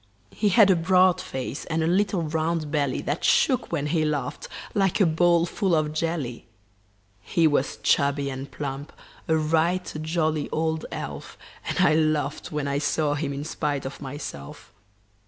He had a broad face and a little round belly That shook when he laughed like a bowl full of jelly. He was chubby and plump a right jolly old elf And I laughed when I saw him, in spite of myself.